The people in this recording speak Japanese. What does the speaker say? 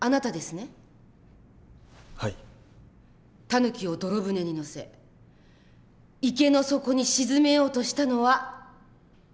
タヌキを泥舟に乗せ池の底に沈めようとしたのはあなたですね？